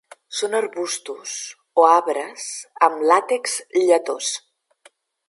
Són arbustos o arbres amb làtex lletós.